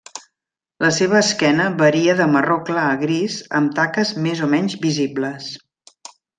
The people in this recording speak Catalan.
La seva esquena varia de marró clar a gris amb taques més o menys visibles.